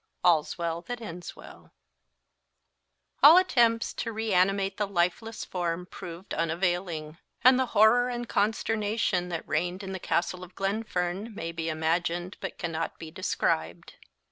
All's Well that Ends Well. ALL attempts to reanimate the lifeless form proved unavailing; and the horror and consternation that reigned in the castle of Glenfern may be imagined, but cannot be described.